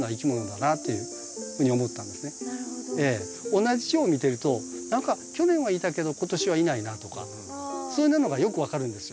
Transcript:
同じチョウを見てると何か去年はいたけど今年はいないなとかそういうものがよく分かるんですよ。